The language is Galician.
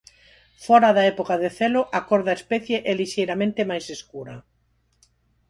Fóra da época de celo, a cor da especie é lixeiramente máis escura.